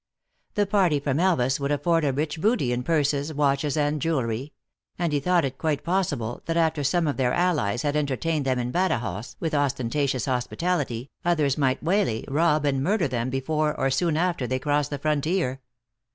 The party from Elvas would afford a rich booty in purses, watches, and jewelry; and he thought it quite possible that after some of their allies had entertained them in Badajoz, with ostentatious hospitality, others might waylay, rob and murder them before, or soon after they crossed the frontier.